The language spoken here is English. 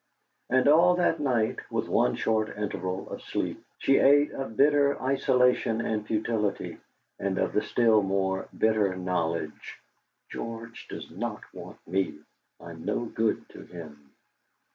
And all that night, with one short interval of sleep, she ate of bitter isolation and futility, and of the still more bitter knowledge: "George does not want me; I'm no good to him!"